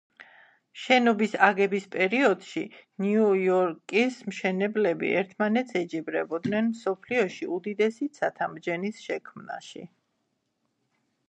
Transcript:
შენობის აგების პერიოდში ნიუ-იორკის მშენებლები ერთმანეთს ეჯიბრებოდნენ მსოფლიოში უდიდესი ცათამბჯენის შექმნაში.